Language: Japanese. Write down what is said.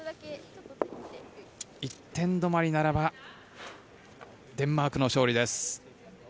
１点止まりならばデンマークの勝利。